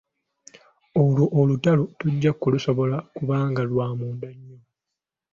Olwo olutalo tojja kulusobola kubanga lwa munda nnyo.